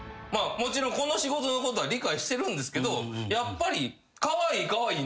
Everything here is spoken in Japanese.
もちろんこの仕事のことは理解してるんですけどやっぱり。